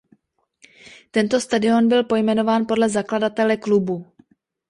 Tento stadion byl pojmenován podle zakladatele klubu.